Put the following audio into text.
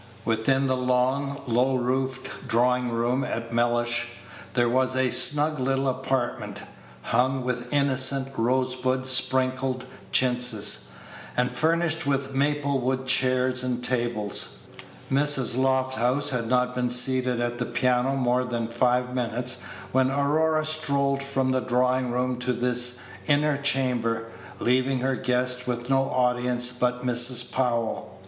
Within the long, low roofed drawing room at Mellish there was a snug little apartment, hung with innocent rosebud sprinkled chintzes, and furnished with maple wood chairs and tables. Mrs. Lofthouse had not been seated at the piano more than five minutes when Aurora strolled from the drawing room to this inner chamber, leaving her guest with no audience but Mrs. Powell.